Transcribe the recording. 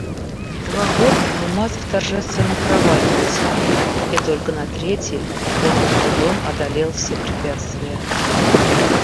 Два года Алмазов торжественно проваливался и только на третий упорным трудом одолел все препятствия.